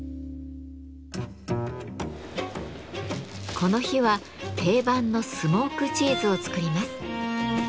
この日は定番のスモークチーズを作ります。